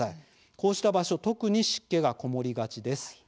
こうした場所特に湿気が籠もりがちです。